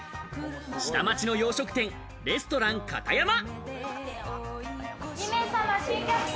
下町の洋食店レストランカタヤマ。